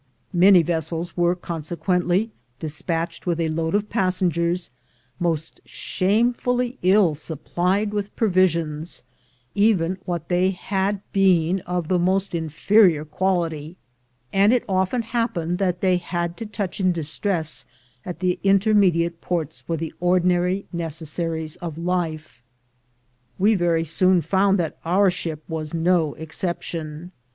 Many vessels were consequently despatched with a load of passengers, most shamefully ill supplied with provisions, even what they had being of the most inferior quality; and it often happened that they had to touch in distress at the intermediate ports for the ordinary necessaries of life. We very soon found that our ship was no ex ception.